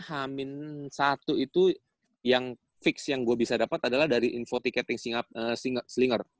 akhirnya h satu itu yang fix yang gua bisa dapet adalah dari info tiketing slinger